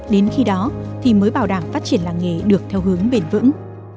đến khi đó thì mới bảo đảm phát triển làng nghề được theo hướng bền vững